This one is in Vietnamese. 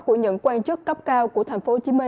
của những quan chức cấp cao của tp hcm